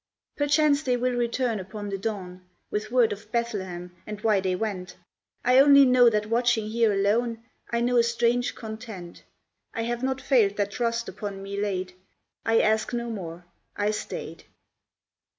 Perchance they will return upon the dawn With word of Bethlehem and why they went. I only know that watching here alone, I know a strange content. I have not failed that trust upon me laid; I ask no more I stayed.